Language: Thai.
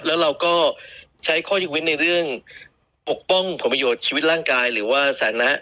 แล้วเราก็ใช้ข้อยกเว้นในเรื่องปกป้องผลประโยชน์ชีวิตร่างกายหรือว่าสันนะ